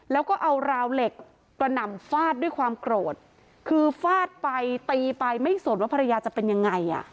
แล้วก็เอาราวเหล็กกระหน่ำฟาดด้วยความโกรธคือฟาดไปตีไปไม่สนว่าภรรยาจะเป็นยังไงอ่ะ